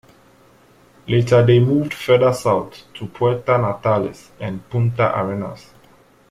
Later they moved further south, to Puerto Natales and Punta Arenas.